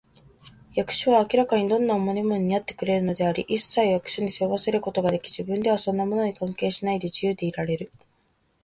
役所は明らかにどんな重荷でも担ってくれているのであり、いっさいを役所に背負わせることができ、自分ではそんなものに関係しないで、自由でいられる